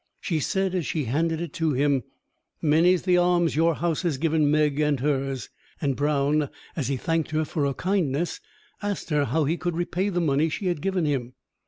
She said as she handed it to him: "Many's the alms your house has given Meg and hers." And Brown, as he thanked her for her kindness, asked her how he could repay the money she had given him.